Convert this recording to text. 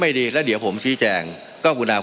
มันมีมาต่อเนื่องมีเหตุการณ์ที่ไม่เคยเกิดขึ้น